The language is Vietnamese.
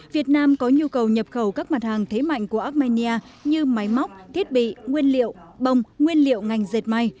việt nam có nhu cầu nhập khẩu các mặt hàng thế mạnh của armenia như máy móc thiết bị nguyên liệu bông nguyên liệu ngành dệt may